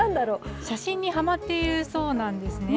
写真にはまっているそうなんですね。